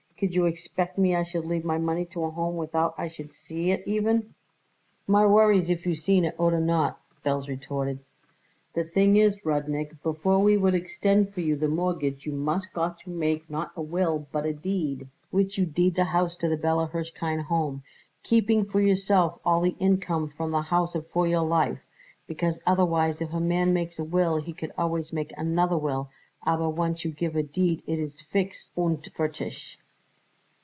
Could you expect me I should leave my money to a Home without I should see it even?" "My worries if you seen it oder not!" Belz retorted. "The thing is, Rudnik, before we would extend for you the mortgage you must got to make not a will but a deed which you deed the house to the Bella Hirshkind Home, keeping for yourself all the income from the house for your life, because otherwise if a man makes a will he could always make another will, aber once you give a deed it is fixed und fertig."